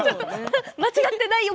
間違ってないよ